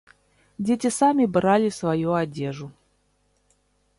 Дзеці самі бралі сваю адзежу.